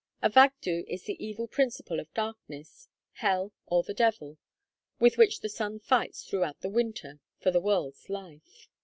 Avagddu is the evil principle of darkness hell, or the devil with which the sun fights throughout the winter for the world's life.